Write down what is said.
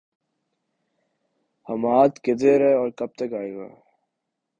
حماد، کدھر ہے اور کب تک آئے گا؟